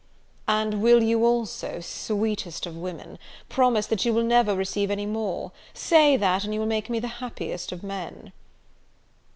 "And will you also, sweetest of women, promise that you never will receive any more? Say that, and you will make me the happiest of men."